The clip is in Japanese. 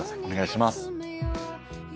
お願いします。